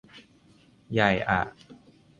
ใหญ่อะ